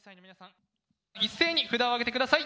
一斉に札を上げて下さい。